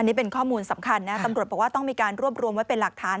นี่เป็นข้อมูลสำคัญนะตำรวจบอกว่าต้องมีการรวบรวมไว้เป็นหลักฐาน